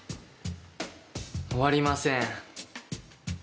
終わりません。